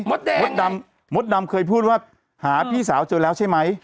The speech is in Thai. มดดำมดดำเคยพูดว่าหาพี่สาวเจอแล้วใช่ไหม